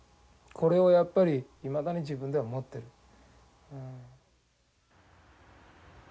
これをやっぱりいまだに自分では持ってる。